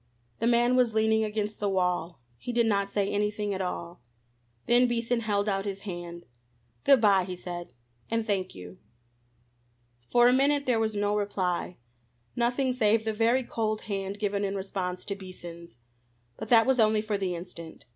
The man was leaning against the wall. He did not say anything at all. Then Beason held out his hand. "Good bye," he said, "and thank you." For a minute there was no reply, nothing save the very cold hand given in response to Beason's. But that was only for the instant.